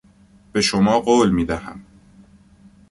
به شما قول میدهم.